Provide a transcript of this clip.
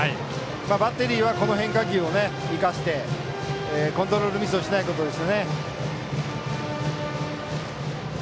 バッテリーはこの変化球を生かしてコントロールミスをしないことです。